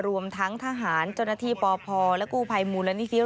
รวมทั้งทหารจนที่ปพและกู้ภัยมูลและนิษฐี